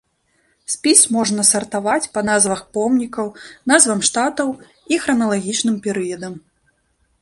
Спіс можна сартаваць па назвах помнікаў, назвам штатаў і храналагічным перыядам.